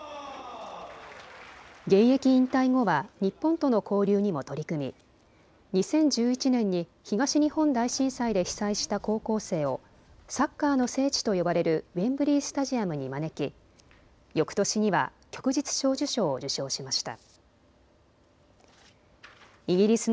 現役引退後は日本との交流にも取り組み２０１１年に東日本大震災で被災した高校生をサッカーの聖地と呼ばれるウェンブリースタジアムに招きよくとしには旭日小綬章を受章しました。